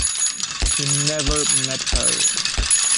He never met her.